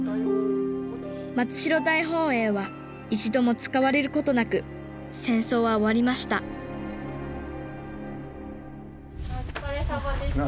松代大本営は一度も使われることなく戦争は終わりましたお疲れさまでした。